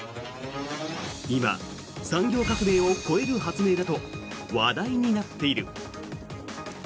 今、産業革命を超える発明だと話題になっている。